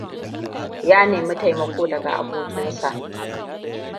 Ya nemi taimako daga abokinsa.